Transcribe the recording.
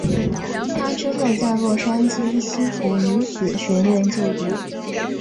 她之后在洛杉矶西湖女子学院就读。